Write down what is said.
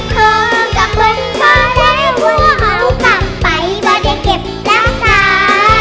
มองกับมนต์เขาแล้วว่าเอากลับไปก็ได้เก็บรักษา